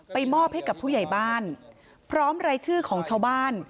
มอบให้กับผู้ใหญ่บ้านพร้อมรายชื่อของชาวบ้าน